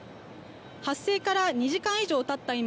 発生から２時間以上たった今